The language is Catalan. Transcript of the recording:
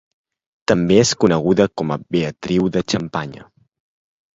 També és coneguda com a Beatriu de Xampanya.